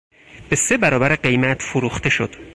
به سه برابر قیمت فروخته شد.